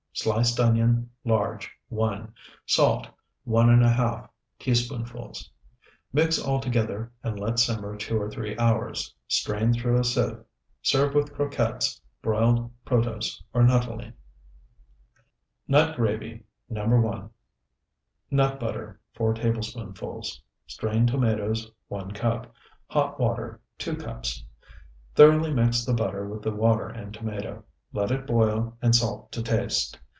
Sliced onion, large, 1. Salt, 1½ teaspoonfuls. Mix all together and let simmer two or three hours. Strain through a sieve. Serve with croquettes, broiled protose, or nuttolene. NUT GRAVY NO. 1 Nut butter, 4 tablespoonfuls. Strained tomatoes, 1 cup. Hot water, 2 cups. Thoroughly mix the butter with the water and tomato. Let it boil, and salt to taste.